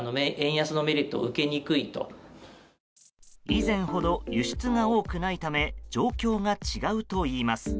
以前ほど輸出が多くないため状況が違うといいます。